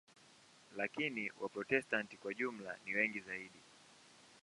Lakini Waprotestanti kwa jumla ni wengi zaidi.